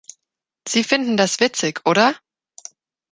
Sie finden das witzig, oder?